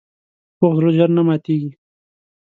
پوخ زړه ژر نه ماتیږي